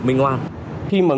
khi mà người nghe điện thoại này